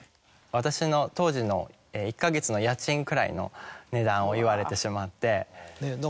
私の当時の１か月の家賃くらいの値段を言われてしまって。